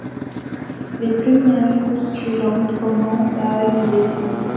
Les premières postulantes commencent à arriver.